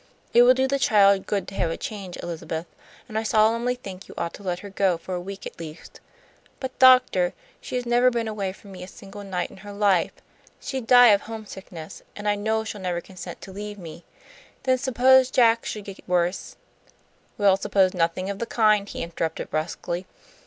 It will do the child good to have a change, Elizabeth, and I solemnly think you ought to let her go, for a week at least." "But, doctor, she has never been away from me a single night in her life. She'd die of homesickness, and I know she'll never consent to leave me. Then suppose Jack should get worse " "We'll suppose nothing of the kind," he interrupted, brusquely.